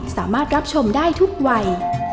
สามารถรับชมได้ทุกวัย